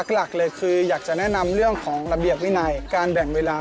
หลักเลยคืออยากจะแนะนำเรื่องของระเบียบวินัยการแบ่งเวลา